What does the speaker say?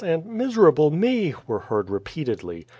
and "Miser able me!" were heard repeatedly.